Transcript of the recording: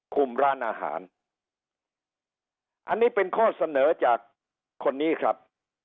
ร้านอาหารอันนี้เป็นข้อเสนอจากคนนี้ครับ